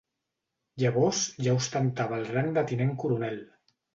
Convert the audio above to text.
Llavors ja ostentava el rang de Tinent coronel.